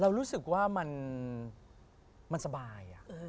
เรารู้สึกว่ามันมันสบาย